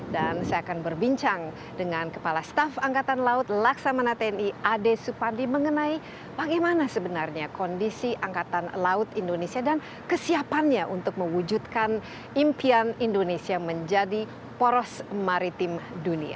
dan saya akan berbincang dengan kepala staff angkatan laut laksamana tni ade supandi mengenai bagaimana sebenarnya kondisi angkatan laut indonesia dan kesiapannya untuk mewujudkan impian indonesia menjadi poros maritim dunia